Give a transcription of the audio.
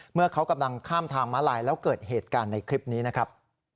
เมื่อเขากำลังข้ามทางม้าลายแล้วเกิดเหตุการณ์ในคลิปนี้นะครับ